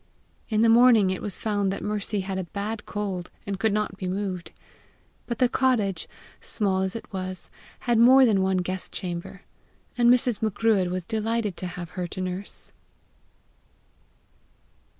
In the morning it was found that Mercy had a bad cold, and could not be moved. But the cottage, small as it was, had more than one guest chamber, and Mrs. Macruadh was delighted to have her to nurse.